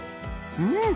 うん！